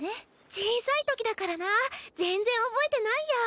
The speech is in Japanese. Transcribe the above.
小さいときだからなぁ全然覚えてないや。